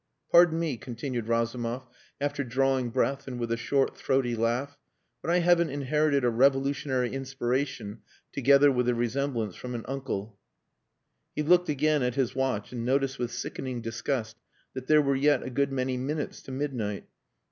Pardon me," continued Razumov, after drawing breath and with a short, throaty laugh, "but I haven't inherited a revolutionary inspiration together with a resemblance from an uncle." He looked again at his watch and noticed with sickening disgust that there were yet a good many minutes to midnight.